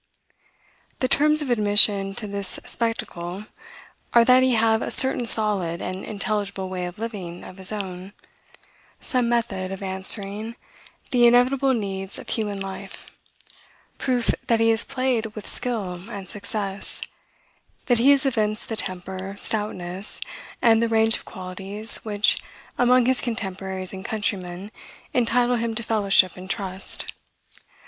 The terms of admission to this spectacle are, that he have a certain solid and intelligible way of living of his own; some method of answering the inevitable needs of human life; proof that he has played with skill and success; that he has evinced the temper, stoutness, and the range of qualities which, among his contemporaries and countrymen, entitle him to fellowship and trust.